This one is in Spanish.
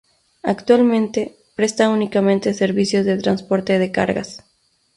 Actualmente, presta únicamente servicios de transporte de cargas.